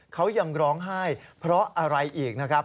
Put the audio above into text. เขายังร้องไห้เพราะอะไรอีกนะครับ